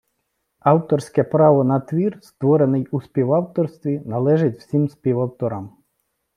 Авторське право на твір, створений у співавторстві, належить всім співавторам